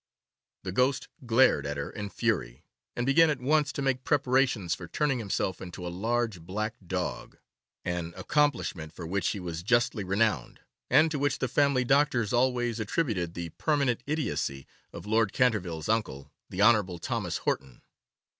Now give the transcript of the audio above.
The ghost glared at her in fury, and began at once to make preparations for turning himself into a large black dog, an accomplishment for which he was justly renowned, and to which the family doctor always attributed the permanent idiocy of Lord Canterville's uncle, the Hon. Thomas Horton.